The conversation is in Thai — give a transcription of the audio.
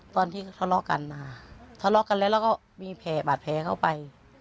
ตอนที่เขาทะเลาะกันนะคะทะเลาะกันแล้วแล้วก็มีแผลบาดแผลเข้าไป